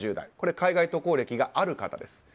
海外渡航歴がある方です。